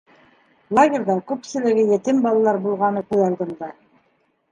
Лагерҙа күпселеге етем балалар булғаны күҙ алдымда.